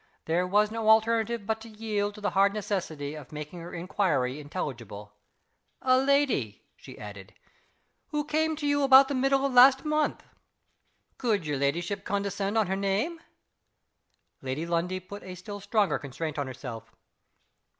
There was no alternative but to yield to the hard necessity of making her inquiry intelligible. "A lady," she added, "who came to you about the middle of last month." "Could yer leddyship condescend on her name?" Lady Lundie put a still stronger constraint on herself.